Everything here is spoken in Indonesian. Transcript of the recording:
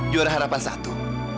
juara harapan satu